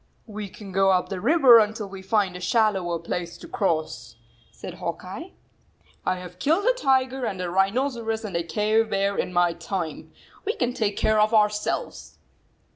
"We can go up the river until we find a shallower place to cross," said Hawk Eye. " I have killed a tiger and a rhinoceros and a cave bear in my time. We can take care of ourselves."